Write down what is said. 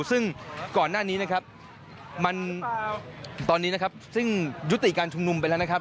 ซึ่งก่อนหน้านี้นะครับมันตอนนี้นะครับซึ่งยุติการชุมนุมไปแล้วนะครับ